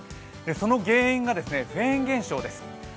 その原因がフェーン現象です。